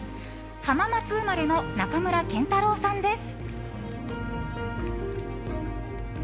浜松生まれの仲村健太郎さんです。